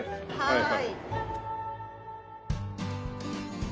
はい！